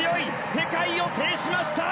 世界を制しました！